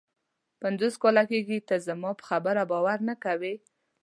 پنځوس کاله کېږي ته زما پر خبره باور نه کوې.